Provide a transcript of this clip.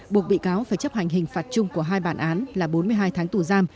buộc bị cáo phải chấp hành hình phạt chung của hai bản án là bốn mươi hai tháng tù giam